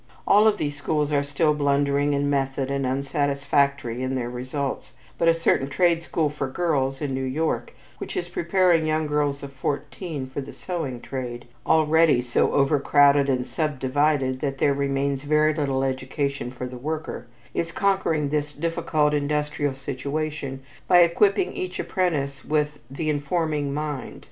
All of these schools are still blundering in method and unsatisfactory in their results, but a certain trade school for girls, in New York, which is preparing young girls of fourteen for the sewing trade, already so overcrowded and subdivided that there remains very little education for the worker, is conquering this difficult industrial situation by equipping each apprentice with "the informing mind."